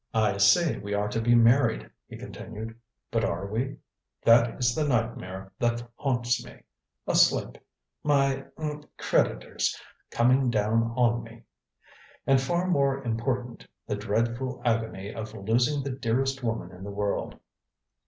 "I say we are to be married," he continued. "But are we? That is the nightmare that haunts me. A slip. My er creditors coming down on me. And far more important, the dreadful agony of losing the dearest woman in the world."